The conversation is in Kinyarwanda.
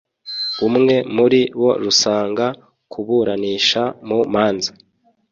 umwe muri bo rusanga kuburanisha mu manza